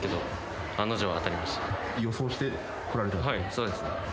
そうですね。